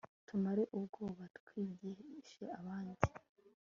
tumare ubwoba twigishe abandi